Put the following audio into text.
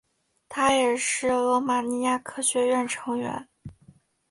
他也是罗马尼亚科学院成员。